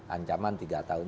ancaman tiga tahun